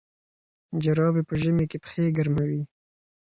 جرابې په ژمي کې پښې ګرموي.